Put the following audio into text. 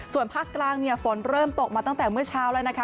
ส่วนภาคกลางเนี่ยฝนเริ่มตกมาตั้งแต่เมื่อเช้าแล้วนะคะ